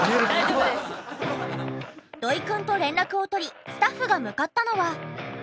土井くんと連絡を取りスタッフが向かったのは。